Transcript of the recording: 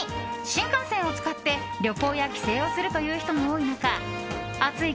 新幹線を使って旅行や帰省をするという人も多い中暑い